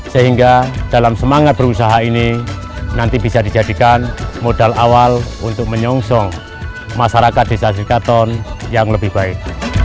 sehingga dalam semangat berusaha ini nanti bisa dijadikan modal awal untuk menyongsong masyarakat desa sikatton yang lebih baik